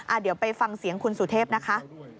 เดี๋ยวไปฟังเสียงคุณสุเทพนะคะ